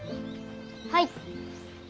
はい。